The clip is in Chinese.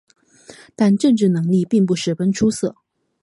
但政治能力并不十分出色。